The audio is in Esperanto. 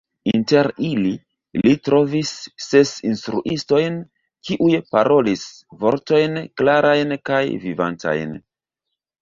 Inter ili, li trovis ses instruistojn, kiuj parolis "vortojn klarajn kaj vivantajn.